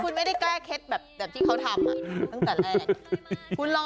คุณไม่ได้แก้เคล็ดแบบที่เขาทำตั้งแต่แรก